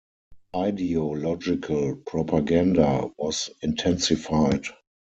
Ideological propaganda was intensified.